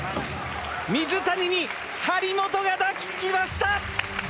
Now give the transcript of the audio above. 水谷に張本が抱きつきました！